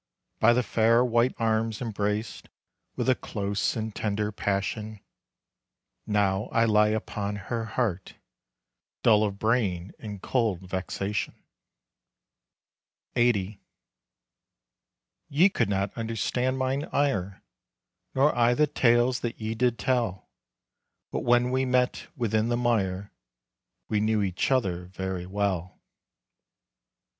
By the fair white arms embraced With a close and tender passion, Now I lie upon her heart, Dull of brain, in cold vexation. LXXX. Ye could not understand mine ire Nor I the tales that ye did tell, But when we met within the mire, We knew each other very well.